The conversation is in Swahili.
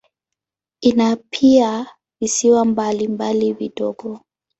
Ina pia visiwa mbalimbali vidogo.